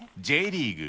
Ｊリーグ